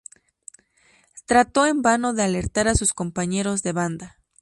Trató en vano de alertar a sus compañeros de banda.